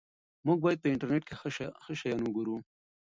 موږ باید په انټرنیټ کې ښه شیان وګورو.